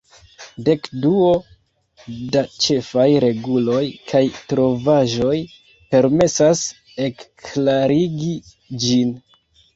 Dekduo da ĉefaj reguloj kaj trovaĵoj permesas ekklarigi ĝin.